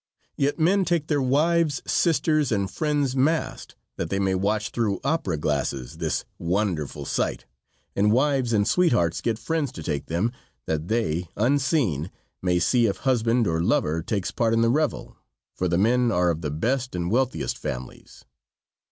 Yet men take their wives, sisters, and friends, masked, that they may watch through opera glasses this wonderful sight, and wives and sweethearts get friends to take them, that they, unseen, may see if husband or lover takes part in the revel, for the men are of the best and wealthiest families.